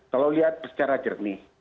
kalau lihat secara jernih